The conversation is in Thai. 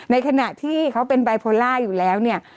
ในขณะที่เขาเป็นบายโพล่าอยู่แล้วเนี่ย